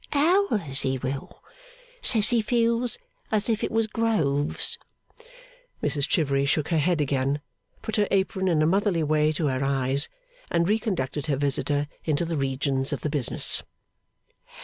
Hours he will. Says he feels as if it was groves!' Mrs Chivery shook her head again, put her apron in a motherly way to her eyes, and reconducted her visitor into the regions of the business.